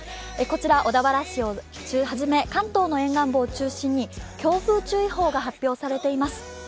こちら小田原市をはじめ関東の沿岸部を中心に強風注意報が発表されています。